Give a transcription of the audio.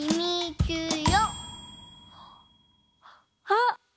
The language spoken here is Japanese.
あっ！